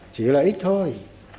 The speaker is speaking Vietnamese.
chỉ là ít thôi